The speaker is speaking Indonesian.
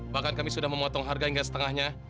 bahkan kami sudah memotong harga hingga setengahnya